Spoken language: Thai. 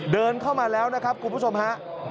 เดินเข้ามาแล้วนะครับคุณผู้ชมฮะ